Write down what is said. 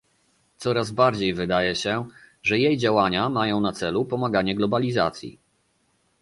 Coraz bardziej wydaje się, że jej działania mają na celu pomaganie globalizacji